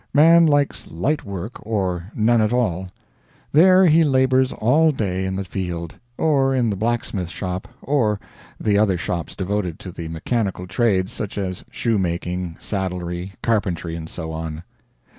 Man likes light work or none at all there he labors all day in the field, or in the blacksmith shop or the other shops devoted to the mechanical trades, such as shoemaking, saddlery, carpentry, and so on.